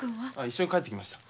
一緒に帰ってきました。